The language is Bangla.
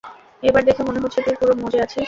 এবার দেখে মনে হচ্ছে তুই পুরো মজে আছিস।